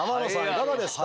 いかがですか？